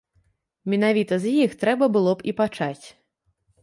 Менавіта з іх трэба было б і пачаць.